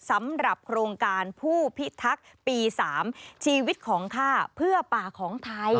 สำหรับโครงการผู้พิทักษ์ปี๓ชีวิตของข้าเพื่อป่าของไทย